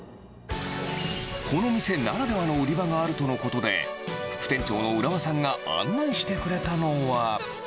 この店ならではの売り場があるとのことで、副店長の浦和さんが案内してくれたのは。